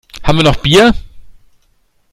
Haben wir noch Bier?